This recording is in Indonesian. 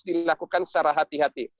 dilakukan secara hati hati